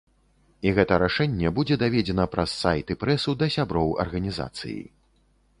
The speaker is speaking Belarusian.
І гэта рашэнне будзе даведзена праз сайт і прэсу да сяброў арганізацыі.